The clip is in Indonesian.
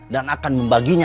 dan akan membaginya